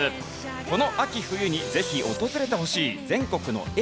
この秋冬にぜひ訪れてほしい全国の駅